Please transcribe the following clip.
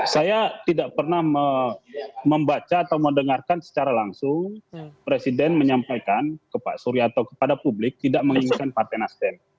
saya tidak pernah membaca atau mendengarkan secara langsung presiden menyampaikan ke pak suryato kepada publik tidak menginginkan partai nasdem